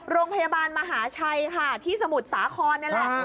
โรงพยาบาลมหาชัยค่ะที่สมุทรสาครนี่แหละ